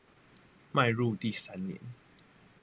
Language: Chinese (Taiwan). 邁入第三年